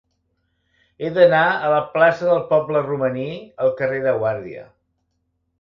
He d'anar de la plaça del Poble Romaní al carrer de Guàrdia.